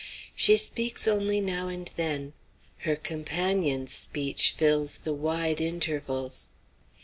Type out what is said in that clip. She speaks only now and then. Her companion's speech fills the wide intervals.